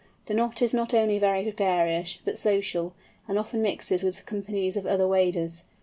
The Knot is not only very gregarious, but social, and often mixes with companies of other waders.